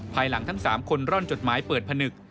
ภายหลังทั้ง๓คนร่อนจดหมายเปิดผนึก